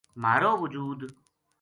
مھارو وجود